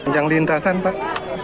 penjang lintasan pak